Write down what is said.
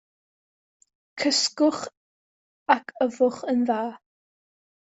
Cysgwch ac yfwch yn dda.